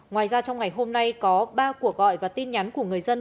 ngoài ra trong ngày hôm nay có ba cuộc gọi và tin nhắn của người dân